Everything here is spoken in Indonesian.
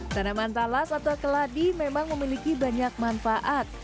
tanaman talas atau keladi memang memiliki banyak manfaat